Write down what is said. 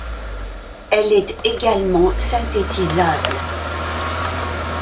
Elle est également synthétisable.